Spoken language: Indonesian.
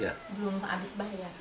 belum habis bayar